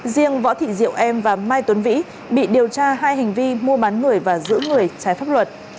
riêng võ thị diệu em và mai tuấn vĩ bị điều tra hai hành vi mua bán người và giữ người trái pháp luật